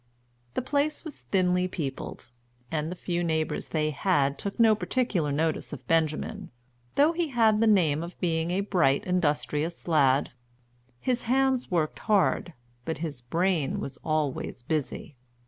The place was thinly peopled, and the few neighbors they had took no particular notice of Benjamin, though he had the name of being a bright, industrious lad. His hands worked hard, but his brain was always busy.